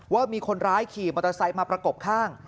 ว่ามีคนร้ายขี่มอเตอร์ไซค์มาประกบข้าง